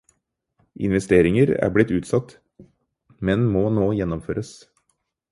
Investeringer er blitt utsatt, men må nå gjennomføres.